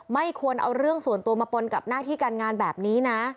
ไม่ควรเอาเรื่องส่วนตัวมาปนกับหน้าที่การงานแบบนี้นะ